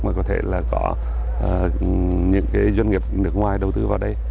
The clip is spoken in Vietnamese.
mà có thể là có những cái doanh nghiệp nước ngoài đầu tư vào đây